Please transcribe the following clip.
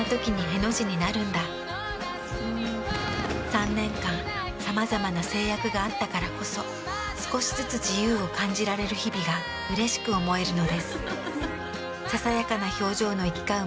３年間さまざまな制約があったからこそ少しずつ自由を感じられる日々がうれしく思えるのです。